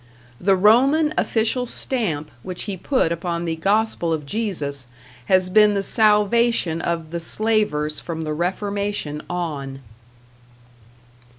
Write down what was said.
The Roman official stamp which he put upon the gospel of Jesus has been the salvation of the Slavers from the Reformation on.